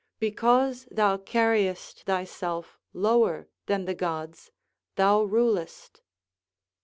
["Because thou carriest thyself lower than the gods, thou rulest."